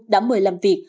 đã mời làm việc